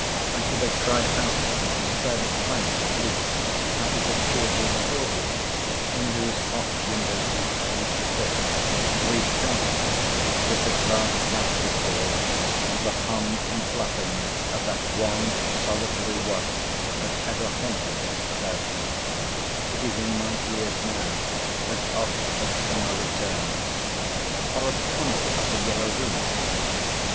I should have cried out to them to spare a plank at least out of the cheerful store room, in whose hot window seat I used to sit and read Cowley, with the grass plat before, and the hum and flappings of that one solitary wasp that ever haunted it about me—it is in mine ears now, as oft as summer returns; or a pannel of the yellow room.